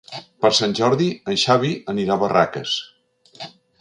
Per Sant Jordi en Xavi anirà a Barraques.